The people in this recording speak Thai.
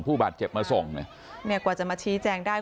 ผู้บาดเจ็บมาส่งเนี่ยเนี่ยกว่าจะมาชี้แจงได้